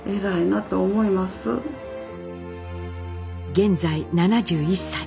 現在７１歳。